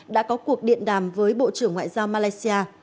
đã có cuộc điện đàm với bộ trưởng ngoại giao malaysia